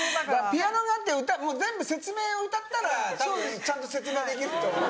ピアノだって全部説明を歌ったらたぶんちゃんと説明はできると思う。